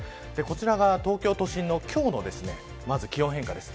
こちらが東京都心の今日の気温変化です。